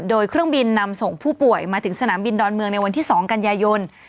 โดยเครื่องบินนำส่งผู้ป่วยมาถึงสนามบินดอนเมืองในวันที่๒กันยายน